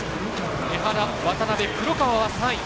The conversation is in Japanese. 江原、渡邊、黒川は３位。